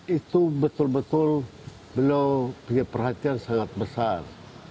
itu betul betul beliau punya perhatian sangat besar